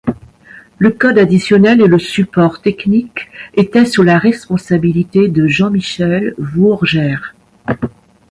Le code additionnel et le support technique était sous la responsabilité de Jean-Michel Vourgère.